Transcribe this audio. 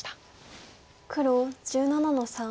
黒１７の三。